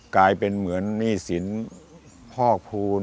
กลายเป็นเหมือนหนี้สินพ่อคูณ